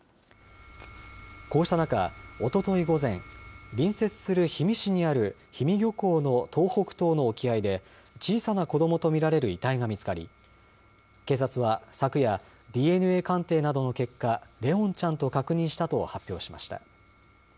こうした中、おととい午前、隣接する氷見市にある氷見漁港の東北東の沖合で、小さな子どもと見られる遺体が見つかり、警察は昨夜、ＤＮＡ鑑定などの結果、怜音ちゃんと確認したと発表しました。